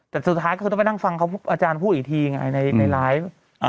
แต่สุดท้ายคือต้องไปนั่งฟังเขาอาจารย์พูดอีกทีไงในไลฟ์